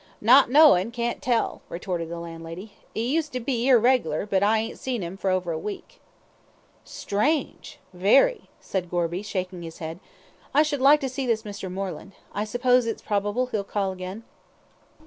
"Not knowin', can't tell," retorted the landlady, "'e used to be 'ere reg'lar, but I ain't seen 'im for over a week." "Strange! very!" said Gorby, shaking his head. "I should like to see this Mr. Moreland. I suppose it's probable he'll call again?"